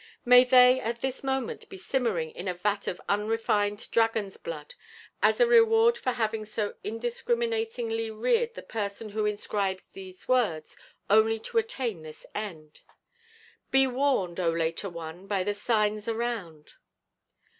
"May they at this moment be simmering in a vat of unrefined dragon's blood, as a reward for having so undiscriminatingly reared the person who inscribes these words only to attain this end!" "Be warned, O later one, by the signs around!"